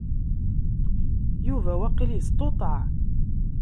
Yuba waqil yestuṭeɛ.